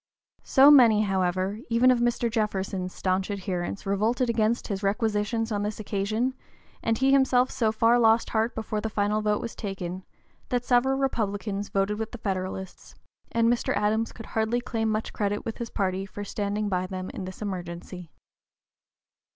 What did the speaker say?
So many, however, even of Mr. Jefferson's stanch adherents revolted against his requisitions on this occasion, and he himself so far lost heart before the final vote was taken, that several Republicans voted with the Federalists, and Mr. Adams could hardly claim much credit with his party for standing by them in this emergency.